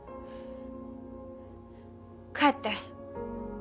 帰って。